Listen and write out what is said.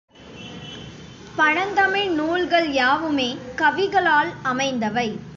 பழந்தமிழ் நூல்கள் யாவுமே கவிகளால் அமைந்தவை.